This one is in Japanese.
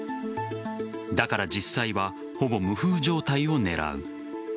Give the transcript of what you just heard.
だから、実際はほぼ無風状態を狙う。